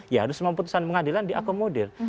ya harus memang putusan pengadilan diakomodir